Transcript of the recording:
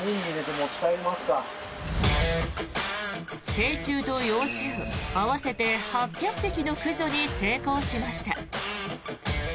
成虫と幼虫合わせて８００匹の駆除に成功しました。